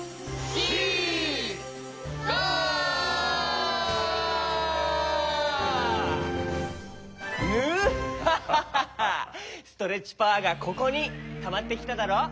ストレッチパワーがここにたまってきただろ！